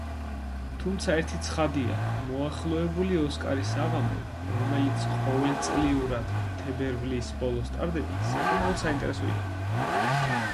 თუმცა ერთი ცხადია, მოახლოებული ოსკარის საღამო, რომელიც ყოველწიურად თებერვლის ბოლოს ტარდება, საკმაოდ საინტერესო იქნება.